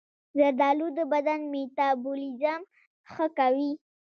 زردآلو د بدن میتابولیزم ښه کوي.